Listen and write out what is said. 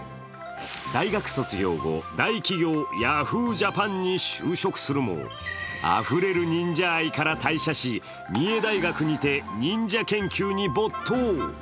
大学卒業後、大企業Ｙａｈｏｏ！ＪＡＰＡＮに就職するもあふれる忍者愛から退社し三重大学にて忍者研究に没頭！